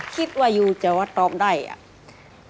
คิดว่ายูจะว่าตอบได้อ่ะ